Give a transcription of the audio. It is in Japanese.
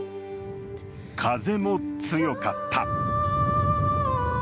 風も強かった。